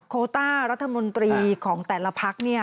โคต้ารัฐมนตรีของแต่ละพัก